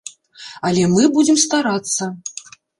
Але мы будзем старацца!